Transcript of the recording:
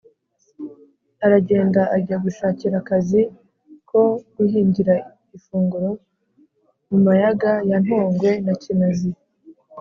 Aragenda ajya gushakira akazi ko guhingira ifunguro mu mayaga ya Ntongwe na Kinazi.